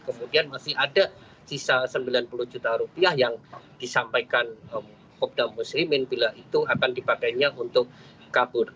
kemudian masih ada sisa sembilan puluh juta rupiah yang disampaikan kopda muslimin bila itu akan dipakainya untuk kabur